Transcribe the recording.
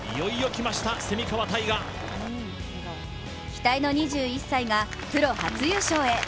期待の２１歳がプロ初優勝へ！